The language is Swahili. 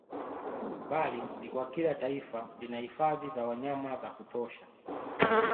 Bali ni kwa kila taifa lina hifadhi za wanyama za kutosha